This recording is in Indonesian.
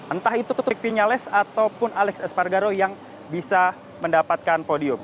entah itu ketrik vinyales ataupun alex espargaro yang bisa mendapatkan podium